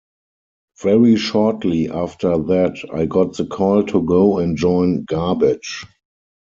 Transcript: Very shortly after that, I got the call to go and join Garbage.